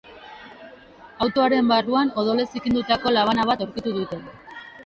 Autoaren barruan odolez zikindutako labana bat aurkitu dute.